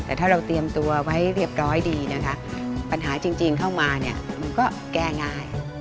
แต่ถ้าเราเตรียมตัวไว้เรียบร้อยดีนะคะปัญหาจริงเข้ามาเนี่ยมันก็แก้ง่าย